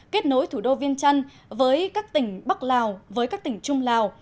kết nối thủ đô viên trăn với các tỉnh bắc lào với các tỉnh trung lào